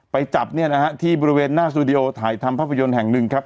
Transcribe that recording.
ไปจับเนี่ยนะฮะที่บริเวณหน้าสตูดิโอถ่ายทำภาพยนตร์แห่งหนึ่งครับ